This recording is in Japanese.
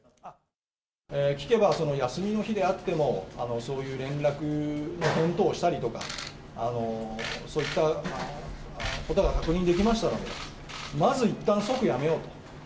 聞けば、休みの日であっても、そういう連絡の返答をしたりとか、そういったことが確認できましたので、まずいったん、即やめようと。